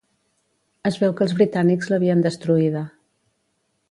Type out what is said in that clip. Es veu que els britànics l'havien destruïda.